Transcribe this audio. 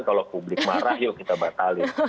kalau publik marah yuk kita batalin